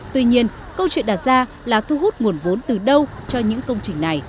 tuy nhiên câu chuyện đặt ra là thu hút nguồn vốn từ đâu cho những công trình này